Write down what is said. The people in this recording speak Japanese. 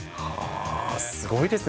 すごいですね。